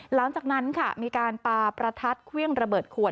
หลังจากนั้นค่ะมีการปาประทัดเครื่องระเบิดขวด